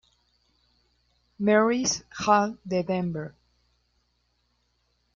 Mary's Hall de Denver.